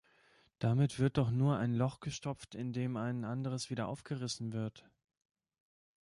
Damit wird doch nur ein Loch gestopft, indem ein anderes wieder aufgerissen wird.